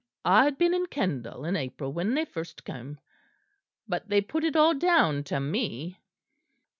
I had been in Kendal in April when they first came but they put it all down to me.